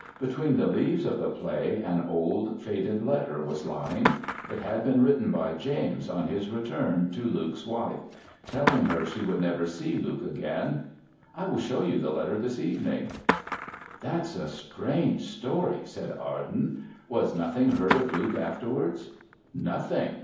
Between the leaves of the play an old, faded letter was lying. It had been written by James, on his return, to Luke's wife, telling her she would never see Luke again. I will show you the letter this evening." "That's a strange story," said Arden. "Was nothing heard of Luke afterwards?" "Nothing.